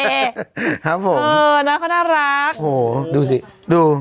ครับผมเออน้องเขาน่ารักโอ้โหดูสิดู